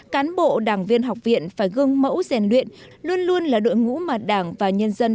cán bộ đảng viên học viện phải gương mẫu rèn luyện luôn luôn là đội ngũ mà đảng và nhân dân